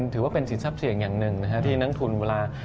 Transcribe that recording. ถือว่าเป็นสินทรัพย์เสี่ยงอย่างหนึ่งที่นักทุนเวลา